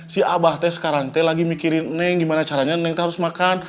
si abah teh sekarang teh lagi mikirin neng gimana caranya nengte harus makan